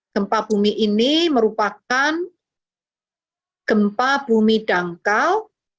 gempa bumi ini merupakan gempa bumi dangkal